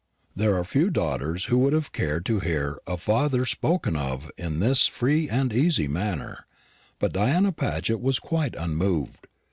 There are few daughters who would have cared to hear a father spoken of in this free and easy manner; but Diana Paget was quite unmoved.